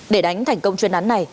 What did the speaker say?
để đánh thành công chuyên án này